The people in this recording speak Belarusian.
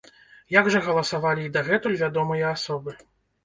Як жа галасавалі і дагэтуль вядомыя асобы?